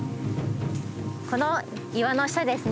この岩の下ですね。